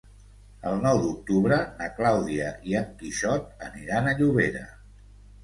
El nou d'octubre na Clàudia i en Quixot aniran a Llobera.